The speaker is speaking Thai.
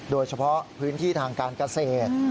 โดยเฉพาะพื้นที่ทางการเกษตร